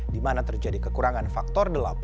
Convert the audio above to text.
di mana terjadi kekurangan faktor delapan